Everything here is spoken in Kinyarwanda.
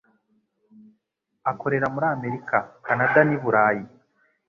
akorera muri Amerika, Canada n'i Burayi.